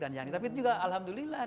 tapi itu juga alhamdulillah